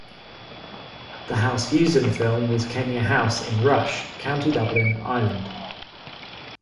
The house used in the film was Kenure House in Rush, County Dublin, Ireland.